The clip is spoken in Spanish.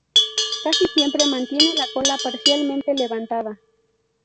Casi siempre mantiene la cola parcialmente levantada.